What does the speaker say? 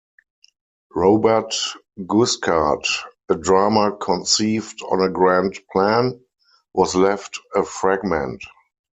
"Robert Guiskard", a drama conceived on a grand plan, was left a fragment.